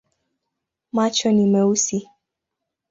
Macho ni meusi.